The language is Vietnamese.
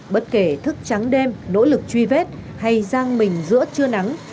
bất kể thức trắng đêm nỗ lực truy vết hay giang mình giữa trưa nắng